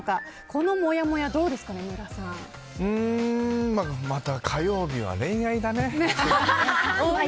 このもやもやどうですかまた火曜日は恋愛がね。